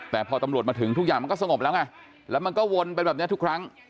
แต่พอตำรวจมาถึงทุกอย่างมันก็สงบแล้วไงแล้วมันก็วนไปแบบนี้ทุกครั้ง